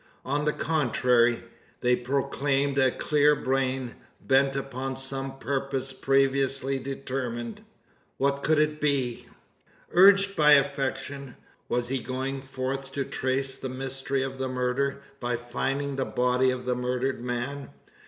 On the contrary, they proclaimed a clear brain, bent upon some purpose previously determined. What could it be? Urged by affection, was he going forth to trace the mystery of the murder, by finding the body of the murdered man?